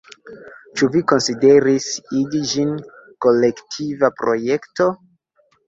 Ĉu vi konsideris igi ĝin kolektiva projekto?